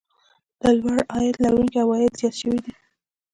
د لوړ عاید لرونکو عوايد زیات شوي دي